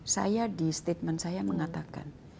saya di statement saya mengatakan